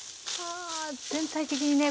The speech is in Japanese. あ全体的にね